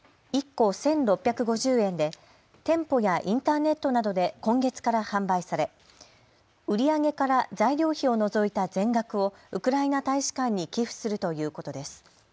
１個１６５０円で店舗やインターネットなどで今月から販売され売り上げから材料費を除いた全額をウクライナ大使館に寄付するということです。